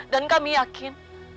dan kami yakin